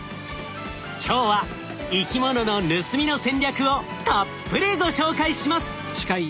今日は生き物の「盗み」の戦略をたっぷりご紹介します！